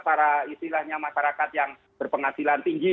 para istilahnya masyarakat yang berpenghasilan tinggi